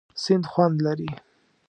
سیند خوند لري.